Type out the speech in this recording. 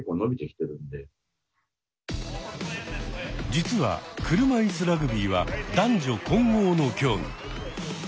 実は車いすラグビーは男女混合の競技。